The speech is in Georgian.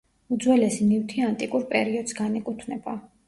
უძველესი ნივთი ანტიკურ პერიოდს განეკუთვნება.